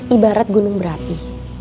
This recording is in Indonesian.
ibarat gunung berapi